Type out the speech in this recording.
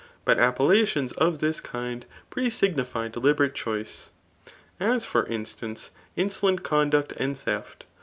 But appellations of this kbd prcsig* ttfy deliberate dioice ; as for instance, insolent conduct and theft.